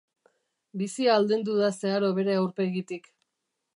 Bizia aldendu da zeharo bere aurpegitik.